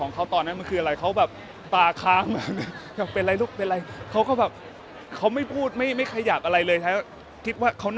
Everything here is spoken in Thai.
งั้นคือตอนไปนำควดน้ำไปอุ่น